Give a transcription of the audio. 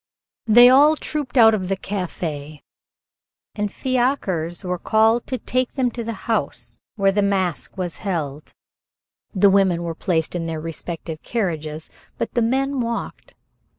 They all trooped out of the café, and fiacres were called to take them to the house where the mask was held. The women were placed in their respective carriages, but the men walked.